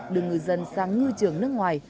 đưa ngư dân sang ngư trường nước ngoài